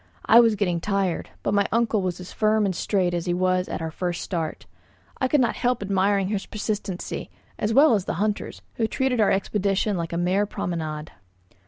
I was getting tired; but my uncle was as firm and straight as he was at our first start. I could not help admiring his persistency, as well as the hunter's, who treated our expedition like a mere promenade.